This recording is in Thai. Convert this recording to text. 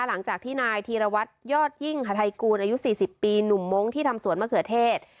หลังจากที่นายธีรวัตรยอดยิ่งฮาไทยกูลอายุ๔๐ปีหนุ่มมงค์ที่ทำสวนมะเขือเทศ